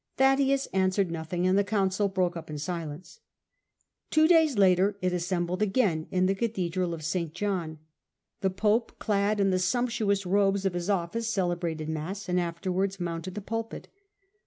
Thaddaeus answered nothing, and the Council broke up in silence. Two days later it assembled again in the Cathedral of St. John. The Pope, clad in the sumptuous robes of his office, celebrated Mass and afterwards mounted the pulpit.